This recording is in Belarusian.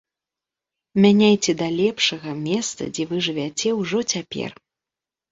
Мяняйце да лепшага месца, дзе вы жывяце, ужо цяпер!